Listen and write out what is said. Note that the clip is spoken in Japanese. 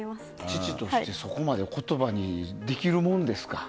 父として、そこまで言葉にできるもんですか？